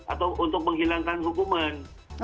atau untuk menghilangkan hukuman